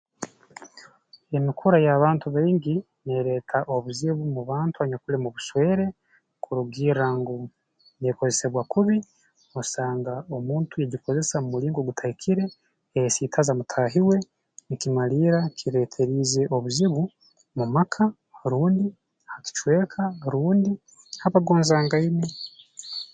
Emikura y'abantu baingi neereeta obuzibu mu bantu abanyakuli mu buswere kurugirra ngu neekozesebwa kubi osanga omuntu yagikozesa mu mulingo ogutahikire yayesiitaza mutahi we nkimalirra kireeteriize obuzibu mu maka rundi ha kicweka rundi habagonzangaine